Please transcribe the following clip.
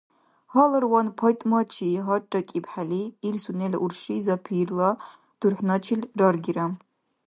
Гьаларван ПайтӀмачи гьарракӀибхӀели, ил сунела урши Запирла дурхӀначил раргира.